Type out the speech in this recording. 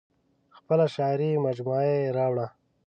خپله شعري مجموعه یې راوړه.